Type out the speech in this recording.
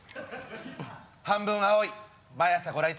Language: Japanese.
「半分、青い。」